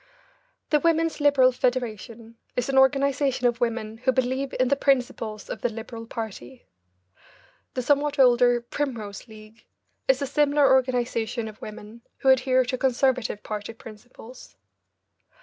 The Women's Liberal Federation is an organisation of women who believe in the principles of the Liberal party. (The somewhat older Primrose League is a similar organisation of women who adhere to Conservative party principles.)